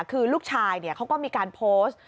คือลูกชายเขาก็มีการโพสต์